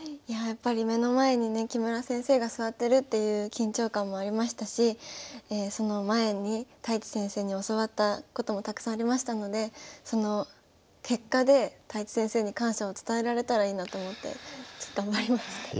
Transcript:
やっぱり目の前にね木村先生が座ってるっていう緊張感もありましたしその前に太地先生に教わったこともたくさんありましたのでその結果で太地先生に感謝を伝えられたらいいなと思って頑張りました。